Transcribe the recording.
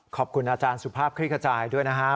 ขอบคุณอาจารย์สุภาพคลิกระจายด้วยนะฮะ